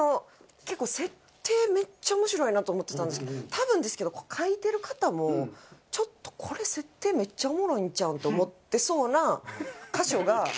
結構設定めっちゃ面白いなと思ってたんですけど多分ですけど書いてる方もちょっとこれ設定めっちゃおもろいんちゃう？って思ってそうな箇所が。